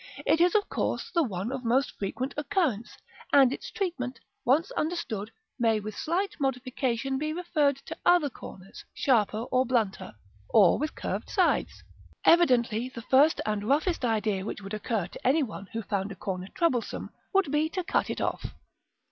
It is of course the one of most frequent occurrence; and its treatment, once understood, may, with slight modification, be referred to other corners, sharper or blunter, or with curved sides. § VIII. Evidently the first and roughest idea which would occur to any one who found a corner troublesome, would be to cut it off.